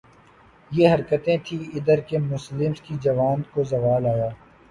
یہ حرکتیں تھیں ادھر کے مسلمز کی جو ان کو زوال آیا